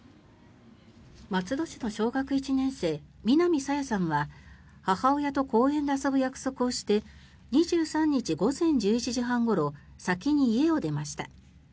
松戸市の小学１年生南朝芽さんは母親と公園で遊ぶ約束をして２３日午前１１時半ごろ先に家を出ました。